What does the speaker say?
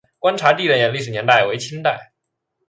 观察第的历史年代为清代。